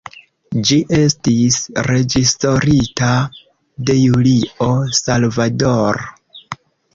Ĝi estis reĝisorita de Julio Salvador.